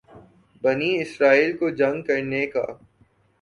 بنی اسرائیل کو جنگ کرنے کا